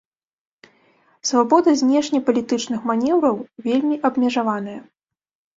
Свабода знешнепалітычных манеўраў вельмі абмежаваная.